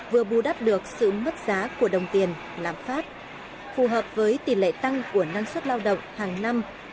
vừa bù đắp được sự mất giá của đồng tiền lạm phát phù hợp với tỷ lệ tăng của năng suất lao động hàng năm